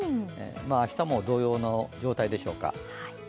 明日も同様の状態でしょうか。